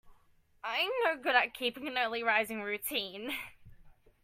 I'm no good at keeping an early rising routine.